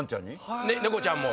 猫ちゃんも。